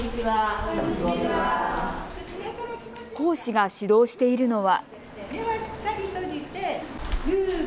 講師が指導しているのは。